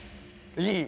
いい。